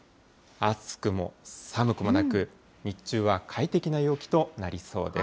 暑くも寒くもなく、日中は快適な陽気となりそうです。